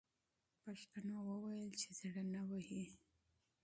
پښتنو وویل چې زړه نه وهي.